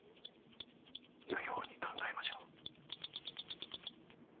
よい方に考えましょう。